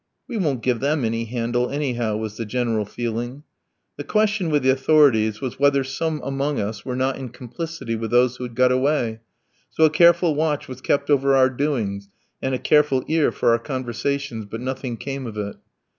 "We won't give them any handle anyhow," was the general feeling. The question with the authorities was whether some among us were not in complicity with those who had got away, so a careful watch was kept over our doings, and a careful ear for our conversations; but nothing came of it.